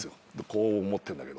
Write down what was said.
こう持ってんだけど。